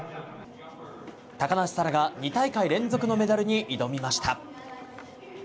高梨沙羅が２大会連続のメダルに挑みました。